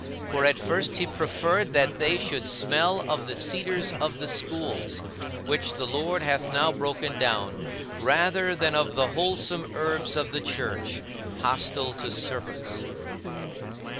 For at first he preferred that they should smell of the cedars of the schools which the Lord hath now broken down, rather than of the wholesome herbs of the Church, hostile to serpents.